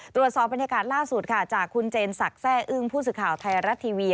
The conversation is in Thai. ตรวจสอบบรรยากาศล่าสุดค่ะจากคุณเจนศักดิ์แซ่อึ้งผู้สื่อข่าวไทยรัฐทีวี